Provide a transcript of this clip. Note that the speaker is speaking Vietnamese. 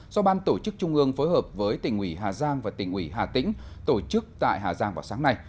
do ban tổ chức trung ương phối hợp với tỉnh ủy hà giang và tỉnh ủy hà tĩnh tổ chức tại hà giang vào sáng nay